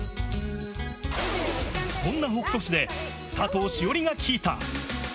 そんな北杜市で、佐藤栞里が聞いた！